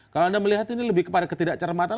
kalau anda melihat ini lebih kepada ketidakcermatan